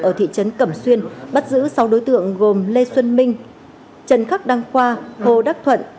ở thị trấn cẩm xuyên bắt giữ sáu đối tượng gồm lê xuân minh trần khắc đăng khoa hồ đắc thuận